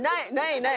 ない！